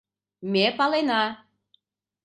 Ме палена: